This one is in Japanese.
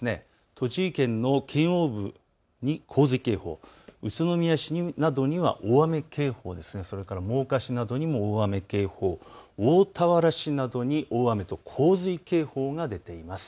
栃木県の県央部に洪水警報、宇都宮市などには大雨警報、それから真岡市などにも大雨警報、大田原市などに大雨と洪水警報が出ています。